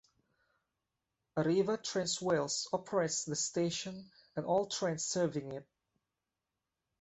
Arriva Trains Wales operates the station and all trains serving it.